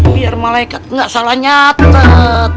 biar malaikat nggak salah nyata